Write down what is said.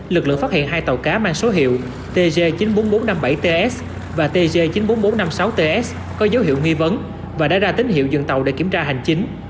lực lượng phát hiện hai tàu cá mang số hiệu tg chín mươi bốn nghìn bốn trăm năm mươi bảy ts và tg chín mươi bốn nghìn bốn trăm năm mươi sáu ts có dấu hiệu nghi vấn và đã ra tín hiệu dừng tàu để kiểm tra hành chính